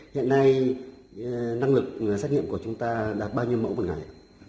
hiện nay năng lực xét nghiệm của chúng ta đạt bao nhiêu mẫu mỗi ngày